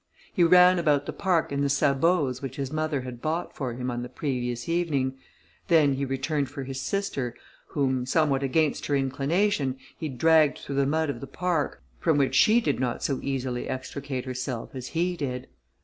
He ran about the park in the sabots which his mother had bought for him on the previous evening: then he returned for his sister, whom, somewhat against her inclination, he dragged through the mud of the park, from which she did not so easily extricate herself as he did.